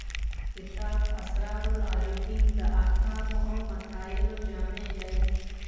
کتاب اسرار العارفین د احکامو او مسایلو جامع دی.